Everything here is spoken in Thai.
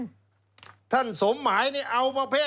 ท่านสมหมายนี่เอาประเภท